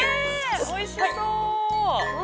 ◆おいしそう！